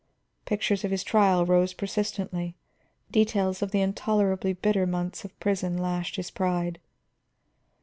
Pictures of his trial rose persistently, details of the intolerably bitter months of prison lashed his pride.